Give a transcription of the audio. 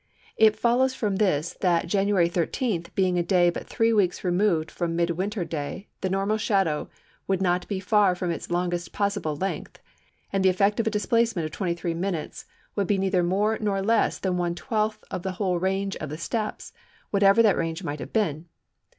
It follows from this that January 13 being a day but three weeks removed from mid winter day the normal shadow would be not far from its longest possible length, and the effect of a displacement of 23′ would be neither more nor less than 1/12th of the whole range of the steps whatever that range might have been.